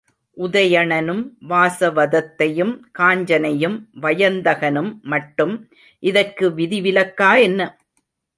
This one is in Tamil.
உதயணனும் வாசவதத்தையும் காஞ்சனையும் வயந்தகனும் மட்டும் இதற்கு விதி விலக்கா என்ன?